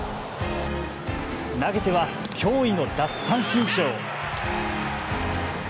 投げては驚異の奪三振ショー。